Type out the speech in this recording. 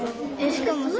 しかもさ。